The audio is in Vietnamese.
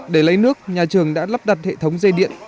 để lấy nước nhà trường đã lắp đặt hệ thống dây điện